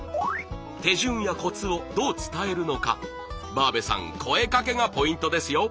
手順やコツをどう伝えるのかバーベさん声かけがポイントですよ。